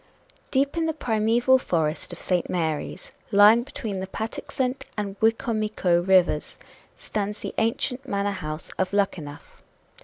Deep in the primeval forest of St. Mary's, lying between the Patuxent and the Wicomico Rivers, stands the ancient manor house of Luckenough.